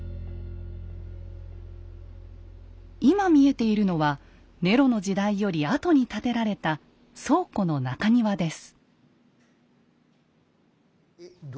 今見えているのはネロの時代より後に建てられた倉庫の中庭です。